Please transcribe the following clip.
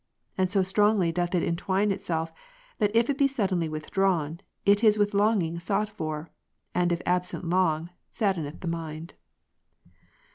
And so strongly doth it entwine itself, that if it be suddenly withdrawn, it is with longing sought for, and if absent long, saddeneth the mind.